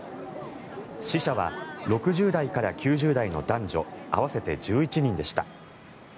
死者は６０代から９０代の男女合わせて１１人でした。